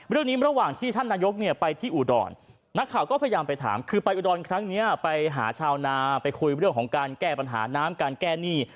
ระหว่างที่ท่านนายกเนี่ยไปที่อุดรนักข่าวก็พยายามไปถามคือไปอุดรครั้งนี้ไปหาชาวนาไปคุยเรื่องของการแก้ปัญหาน้ำการแก้หนี้